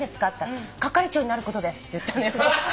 「係長になることです」って言ったのよ。